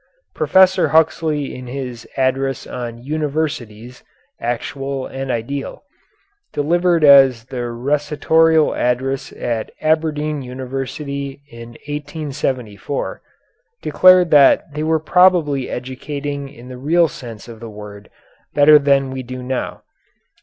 Professor Huxley in his address on "Universities, Actual and Ideal," delivered as the Rectorial Address at Aberdeen University in 1874, declared that they were probably educating in the real sense of the word better than we do now.